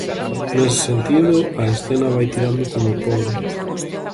Nese sentido, a escena vai tirando como pode.